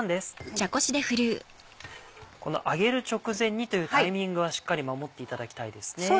この「揚げる直前に」というタイミングはしっかり守っていただきたいですね。